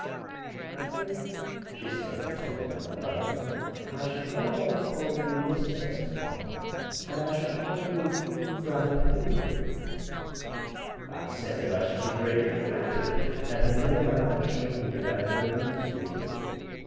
" I think," she said, turning to my brother, " I shall go on calling you Mr Estcourt, and I shall call your brother Hubert." I said that I should be greatly flattered, and her grey eyes showed me that I had no need to be.